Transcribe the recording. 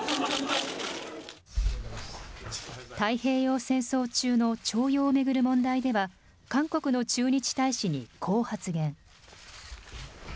太平洋戦争中の徴用を巡る問題では、韓国の駐日大使にこう発言。